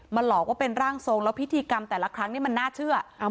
หลอกว่าเป็นร่างทรงแล้วพิธีกรรมแต่ละครั้งนี่มันน่าเชื่อ